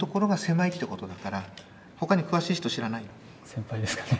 先輩ですかね。